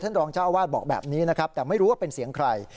รองเจ้าอาวาสบอกแบบนี้นะครับแต่ไม่รู้ว่าเป็นเสียงใคร